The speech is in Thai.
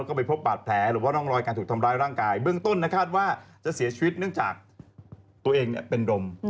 ก็ไปพบบาดแผลหรือว่าร่องรอยการถูกทำร้ายร่างกายเบื้องต้นคาดว่าจะเสียชีวิตเนื่องจากตัวเองเป็นดม